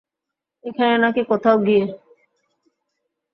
এখানে, নাকি কোথাও গিয়ে?